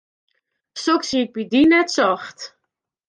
Soks hie ik by dy net socht.